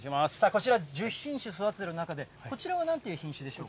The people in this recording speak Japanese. こちら、１０品種育てている中で、こちらはなんという品種でしょうか。